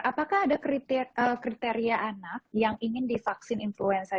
apakah ada kriteria anak yang ingin divaksin influenza